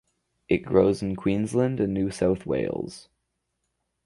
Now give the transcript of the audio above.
It grows in Queensland and New South Wales.